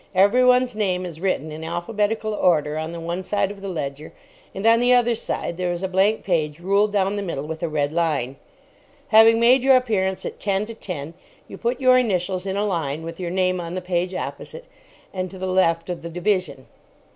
Everyone's name is written in alphabetical order on the one side of the ledger and on the other side there is a blank page ruled down the middle with a red line. Having made your appearance at ten to ten, you put your initials in a line with your name on the page opposite and to the left of the division.